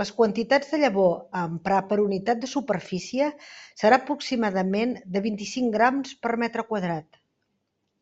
Les quantitats de llavor a emprar per unitat de superfície serà aproximadament de vint-i-cinc grams per metre quadrat.